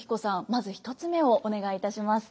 まず１つ目をお願いいたします。